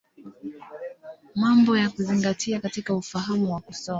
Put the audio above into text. Mambo ya Kuzingatia katika Ufahamu wa Kusoma.